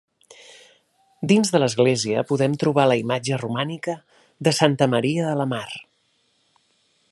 Dins de l'església podem trobar la imatge romànica de Santa Maria de la Mar.